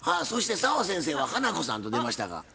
そして澤先生は「花子さん！」と出ましたが。